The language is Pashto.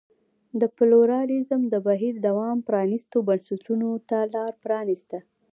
د پلورالېزم د بهیر دوام پرانیستو بنسټونو ته لار پرانېسته.